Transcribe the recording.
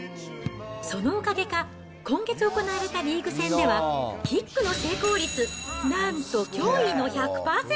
そのおかげか、今月行われたリーグ戦では、キックの成功率、なんと驚異の１００％。